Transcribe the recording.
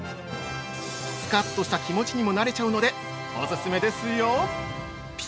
スカッとした気持ちにもなれちゃうので、オススメですよ。